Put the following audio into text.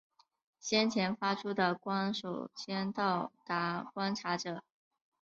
先前发出的光首先到达观察者。